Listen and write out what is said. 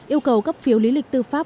yêu cầu cấp phiếu lý lịch tư pháp